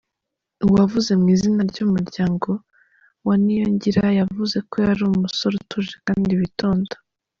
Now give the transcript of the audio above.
Uwavuze mu izina ry’umuryango wa Niyongira yavuze ko yari umusore utuje kandi witonda.